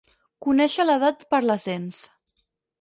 Conèixer l'edat per les dents.